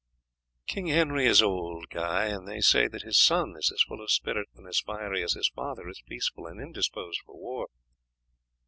"King Henry is old, Guy; and they say that his son is as full of spirit and as fiery as his father is peaceful and indisposed for war.